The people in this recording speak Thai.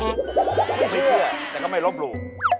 ไม่เชื่อแต่ก็ไม่รบรู